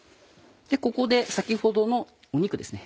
ここで先ほどの肉ですね。